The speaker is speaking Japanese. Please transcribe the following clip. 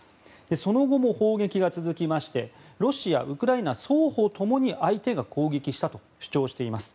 その後も砲撃が続きましてロシア、ウクライナ双方共に相手が攻撃したと主張しています。